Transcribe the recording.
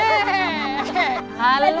aduh aduh aduh aduh